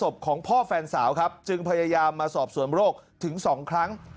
ของพ่อแฟนสาวครับจึงพยายามมาสอบสวนโรคถึง๒ครั้ง